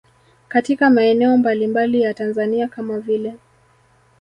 Katika maeneo mbalimbali ya Tanzania kama vile